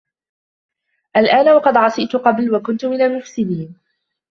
آلآن وقد عصيت قبل وكنت من المفسدين